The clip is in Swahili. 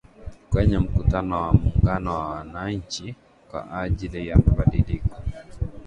Kwenye mkutano wa muungano wa wananchi kwa ajili ya mabadiliko.